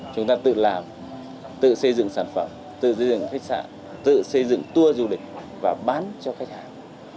chúng ta tự làm tự xây dựng sản phẩm tự xây dựng khách sạn tự xây dựng tour du lịch và bán cho khách hàng